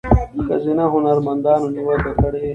ښځینه هنرمندانو نیوکه کړې